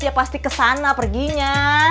ya pasti kesana perginya